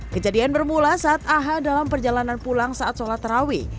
kejadian bermula saat aha dalam perjalanan pulang saat sholat terawih